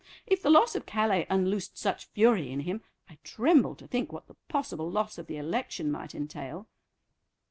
If the loss of Calais unloosed such fury in him, I tremble to think what the possible loss of the election might entail."